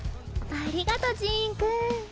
ありがとうジーンくん。